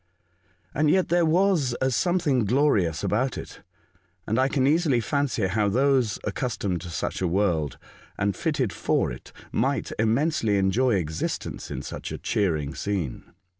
And yet there was a something glorious about it ; and I can easily fancy how those accustomed to such a world, and fitted for it, " might immensely enjoy existence in such a cheering scene.